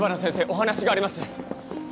お話があります。